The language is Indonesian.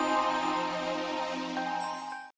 sudah aku bilang kita bawa saja